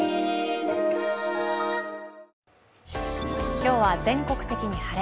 今日は全国的に晴れ。